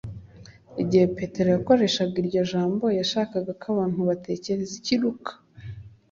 Igihe petero yakoreshaga iryo jambo yashakaga ko abantu batekereza iki luka